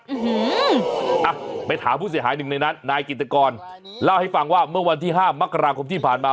อ่ะไปถามผู้เสียหายหนึ่งในนั้นนายกิตกรเล่าให้ฟังว่าเมื่อวันที่๕มกราคมที่ผ่านมา